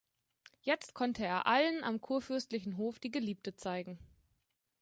Jetzt konnte er allen am kurfürstlichen Hof die Geliebte zeigen.